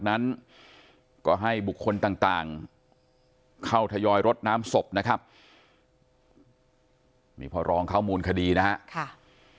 พิธีรดน้ำศพนะครับมีพ่อรองเข้ามูลคดีนะครับ